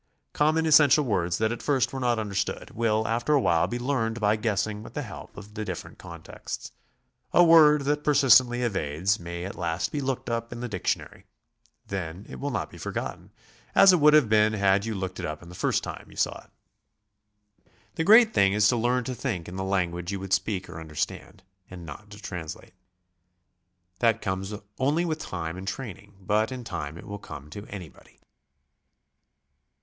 Common, essential words that at first were not understood, will after a while be learned by guessing with the help of the different contexts. A word that SOMEWHAT LITERARY. 243 persistently evades, may at last be looked up in the diction ary; then it will not be forgotten, as it would have been had you looked it up the first time you saw it. The great thing is to learn to think in the language you would speak or understand, and not to translate. That comes only with time and training, but in time it will come to anybody.